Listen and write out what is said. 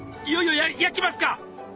いよいよ焼きますか？